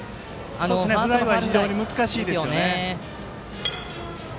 フライは非常に難しいですよね。